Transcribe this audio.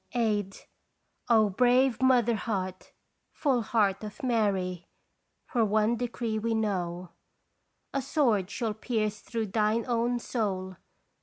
Aid, O, brave mother heart, full heart of Mary, For one decree we know : "A sword shall pierce through thine own soul